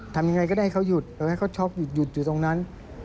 ทำอย่างไรก็ได้ให้เขาหยุดเราต้องการให้เขาชอบหยุดอยู่ตรงนั้น